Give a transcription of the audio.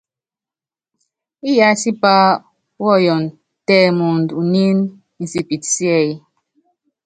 Iyá tipá wɔyɔn tɛ mɔɔnd unín insipit síɛ́y.